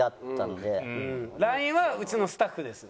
ＬＩＮＥはうちのスタッフです。